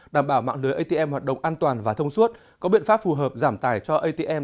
đảm bảo mạng lưới atm hoạt động an toàn và thông suốt có biện pháp phù hợp giảm tài cho atm